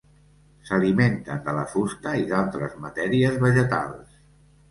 S'alimenten de la fusta i d'altres matèries vegetals.